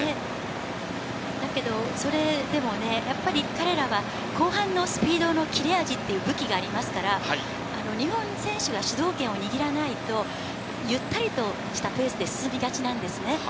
だけど、それでもね、やっぱり、彼らは後半のスピードの切れ味っていう武器がありますから、日本選手が主導権を握らないと、ゆったりとしたペースで進みがちなんですね。